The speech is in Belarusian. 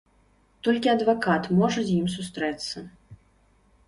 Толькі адвакат можа з ім сустрэцца.